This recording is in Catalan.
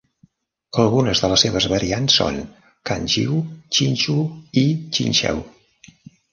Algunes de les seves variants són Kangiu, Chinchu i Chincheu.